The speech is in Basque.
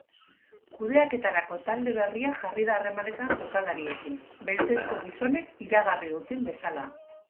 Kudeaketarako talde berria jarri da harremanetan jokalariekin, beltzezko gizonek iragarri duten bezala.